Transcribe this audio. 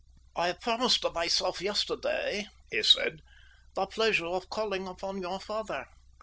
"I promised myself yesterday," he said, "the pleasure of calling upon your father.